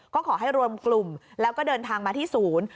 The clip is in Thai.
ก็ขอให้รวมกลุ่มแล้วก็เดินทางมาที่ศูนย์